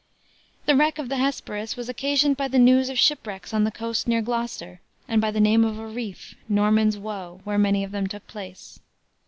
The Wreck of the Hesperus was occasioned by the news of shipwrecks on the coast near Gloucester and by the name of a reef "Norman's Woe" where many of them took place.